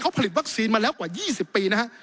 เขาผลิตวัคซีนมาแล้วกว่า๒๐ปีนะฮะ